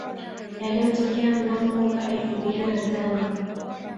yaliotokea mnamo mwaka elfu mbili na tano